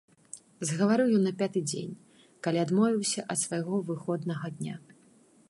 Загаварыў ён на пяты дзень, калі адмовіўся ад свайго выходнага дня.